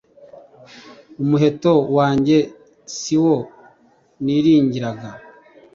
umuheto wanjye si wo niringiraga